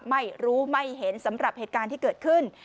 ไม่รู้ไม่เห็นสำหรับเหตุการณ์ที่เกิดขึ้น